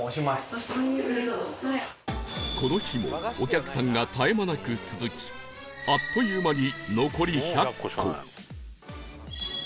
この日もお客さんが絶え間なく続きあっという間に